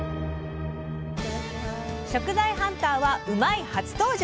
食材ハンターは「うまいッ！」初登場！